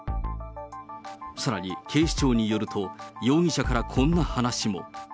さらに警視庁によると、容疑者からこんな話も。